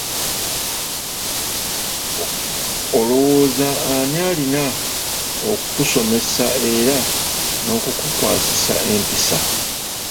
Olowooza ani alina okukusomesa era n'okukukwasisa empisa?